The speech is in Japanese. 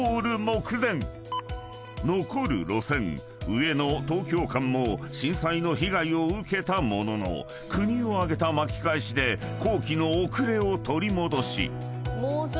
［残る路線上野・東京間も震災の被害を受けたものの国を挙げた巻き返しで工期の遅れを取り戻し］